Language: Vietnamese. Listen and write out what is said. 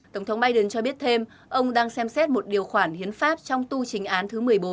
tổng thống biden cho biết thêm ông đang xem xét một điều khoản hiến pháp trong tu trình án thứ một mươi bốn